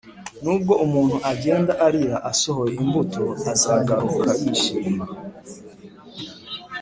nubwo umuntu agenda arira asohoye imbuto, azagaruka yishima